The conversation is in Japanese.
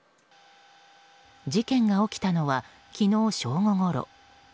事件が起きたのは、昨日正午ごろ。